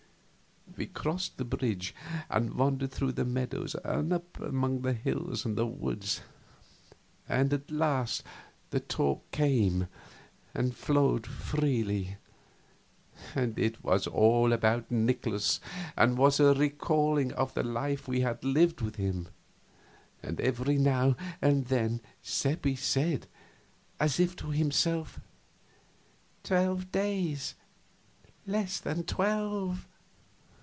We crossed the bridge and wandered through the meadows and up among the hills and the woods, and at last the talk came and flowed freely, and it was all about Nikolaus and was a recalling of the life we had lived with him. And every now and then Seppi said, as if to himself: "Twelve days! less than twelve."